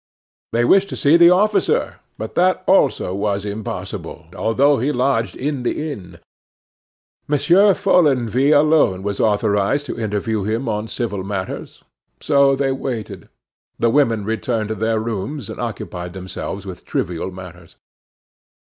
They wished to see the officer, but that also was impossible, although he lodged in the inn. Monsieur Follenvie alone was authorized to interview him on civil matters. So they waited. The women returned to their rooms, and occupied themselves with trivial matters.